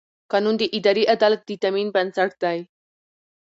قانون د اداري عدالت د تامین بنسټ دی.